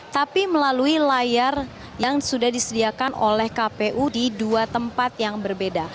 tapi melalui layar yang sudah disediakan oleh kpu di dua tempat yang berbeda